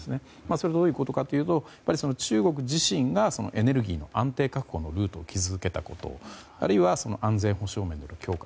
それはどういうことかというと中国自身がエネルギーの安定確保のルートを築けたことあるいは安全保障面での強化